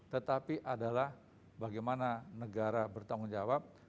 tetapi adalah bagaimana negara bertanggung jawab